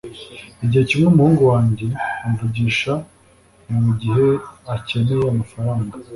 Igihe kimwe umuhungu wanjye amvugisha ni mugihe akeneye amafaranga